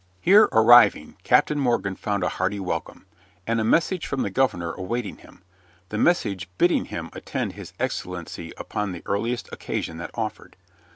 Here, arriving, Captain Morgan found a hearty welcome, and a message from the governor awaiting him, the message bidding him attend His Excellency upon the earliest occasion that offered.